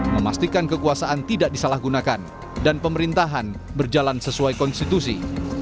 memastikan kekuasaan tidak disalahgunakan dan pemerintahan berjalan sesuai konstitusi